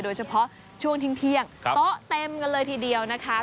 โดยเฉพาะช่วงเที่ยงโต๊ะเต็มกันเลยทีเดียวนะคะ